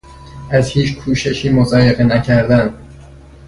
از هیچ کوششی مضایقه نکردن